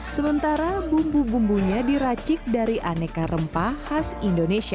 sementara bumbu bumbunya diracik dari aneka rempah khas indonesia